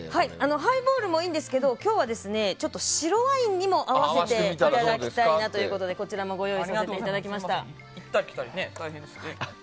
ハイボールもいいんですけど今日は白ワインにも合わせていただきたいということでこちらもご用意させていただきました。